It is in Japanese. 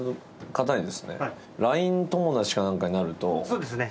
そうですね。